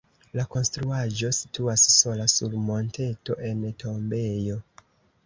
La konstruaĵo situas sola sur monteto en tombejo.